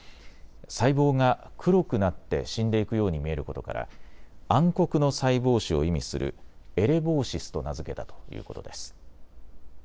細胞が黒くなって死んでいくように見えることから暗黒の細胞死を意味するエレボーシスと名付けたということです。